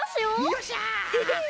よっしゃ！